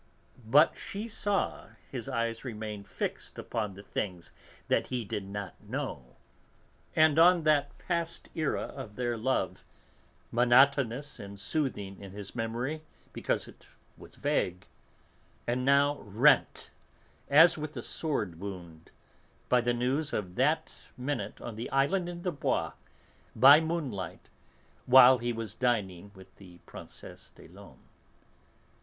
But she saw that his eyes remained fixed upon the things that he did not know, and on that past era of their love, monotonous and soothing in his memory because it was vague, and now rent, as with a sword wound, by the news of that minute on the Island in the Bois, by moonlight, while he was dining with the Princesse des Laumes.